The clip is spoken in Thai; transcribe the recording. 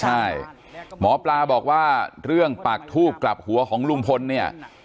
ใช่หมอปลาบอกว่าเรื่องปากทูบกลับหัวของลุงพลเนี่ย